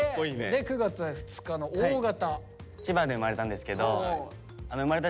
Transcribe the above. で９月２日のＯ型。